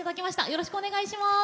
よろしくお願いします。